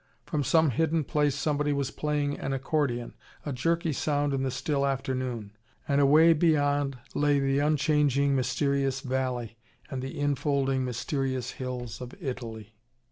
From some hidden place somebody was playing an accordion, a jerky sound in the still afternoon. And away beyond lay the unchanging, mysterious valley, and the infolding, mysterious hills of Italy.